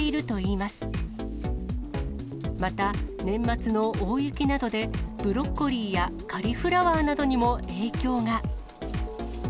また、年末の大雪などで、ブロッコリーやカリフラワーなどにも影響が。